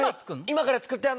今から作って。